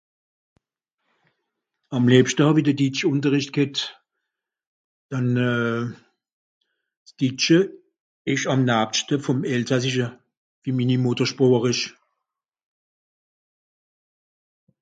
Àm liebschte hàw-i de Ditschunterricht ghet, denn s’Ditsche ìsch àm naagschte vùm Elsassische, wie mini Muetersproch ìsch.